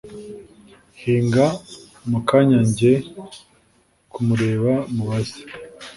hinga mukanya njye kumureba mubaze"